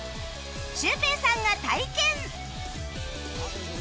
シュウペイさんが体験